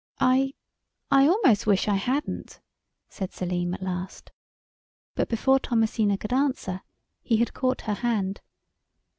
"I—I almost wish I hadn't," said Selim at last; but before Thomasina could answer he had caught her hand.